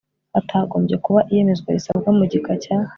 hatagombye kuba iyemezwa risabwa mu gika cya